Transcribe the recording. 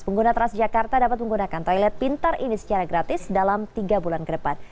pengguna transjakarta dapat menggunakan toilet pintar ini secara gratis dalam tiga bulan ke depan